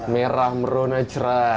merah merona cerah